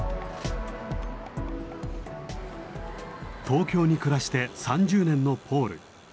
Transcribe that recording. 東京に暮らして３０年のポール。